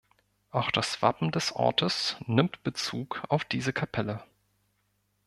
Auch das Wappen des Ortes nimmt Bezug auf diese Kapelle.